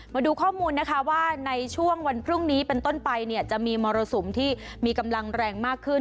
มาดูข้อมูลนะคะว่าในช่วงวันพรุ่งนี้เป็นต้นไปเนี่ยจะมีมรสุมที่มีกำลังแรงมากขึ้น